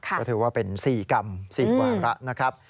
ก็ถือว่าเป็น๔กรรม๔วาระนะครับ